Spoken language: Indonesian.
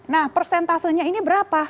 nah persentasenya ini berapa